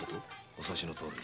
お察しのとおり。